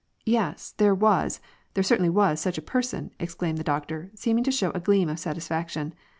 "Yes, there was, there certainly was such a person," ex claimed the doctor, seeming to show a gleam of satisfaction.